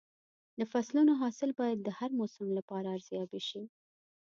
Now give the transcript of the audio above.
د فصلونو حاصل باید د هر موسم لپاره ارزیابي شي.